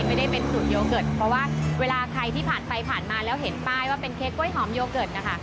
ไม่ได้เป็นสูตรโยเกิร์ตเพราะว่าเวลาใครที่ผ่านไปผ่านมาแล้วเห็นป้ายว่าเป็นเค้กกล้วยหอมโยเกิร์ตนะคะ